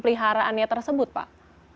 peliharaannya tersebut pak